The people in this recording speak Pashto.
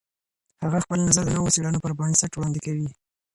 هغه خپل نظر د نوو څېړنو پر بنسټ وړاندې کوي.